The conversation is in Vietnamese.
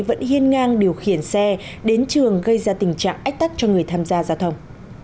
vẫn hiên ngang điều khiển xe đến trường gây ra tình trạng ách tắc cho người tham gia giao thông